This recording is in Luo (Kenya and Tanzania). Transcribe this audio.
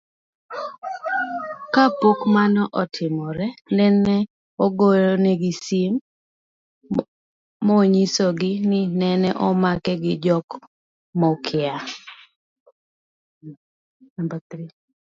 kapok mano otimore, nene ogoyonegi sim maonyisogi ni nene omake gi jok maokia